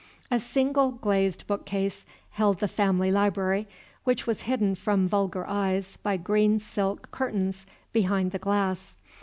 A single glazed bookcase held the family library, which was hidden from vulgar eyes by green silk curtains behind the glass.